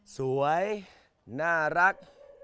สวยน่ารัก